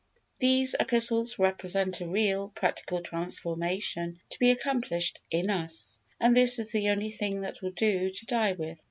These epistles represent a real, practical transformation to be accomplished IN US, and this is the only thing that will do to die with.